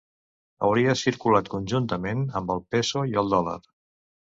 Hauria circulat juntament amb el peso i el dòlar.